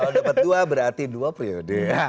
kalau dapat dua berarti dua periode